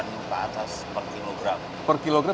dan ke atas per kilogram